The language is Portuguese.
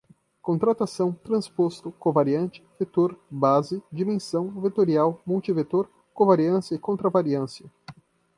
contração, transposto, covariante, vetor, base, dimensão, vetorial, multivetor, covariância e contravariância